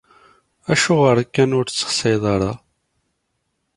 Acuɣer kan ur t-tessexsayeḍ ara?